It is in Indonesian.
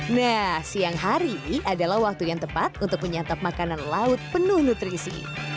nah siang hari adalah waktu yang tepat untuk menyantap makanan laut penuh nutrisi